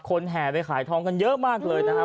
คนแหปุยไปขายทองทรงได้เยอะมากเลยนะ